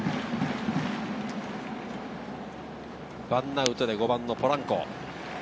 １アウトで５番・ポランコ。